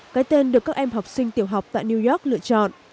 cái tên được các em học sinh tiểu học tại new york lựa chọn